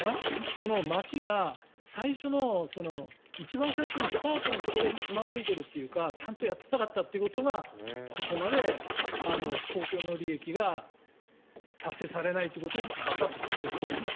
その町が一番最初のスタートのところでつまずいているっていうかちゃんとやっていなかったことがここまで公共の利益が達成されないということにつながったということですね。